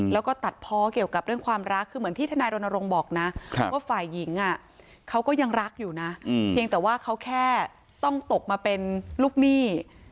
แล้วก็ตัดเพาะเกี่ยวกับเรื่องความรักคือเหมือนที่ทนายรณรงค์บอกนะว่าฝ่ายหญิงเขาก็ยังรักอยู่นะเพียงแต่ว่าเขาแค่ต้องตกมาเป็นลูกหนี้